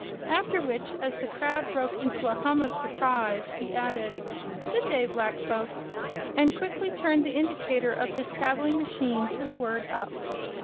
After which, as the crowd broke into a hum of surprise, he added: "Good day, black folks!" and quickly turned the indicator of his traveling machine to the word "up."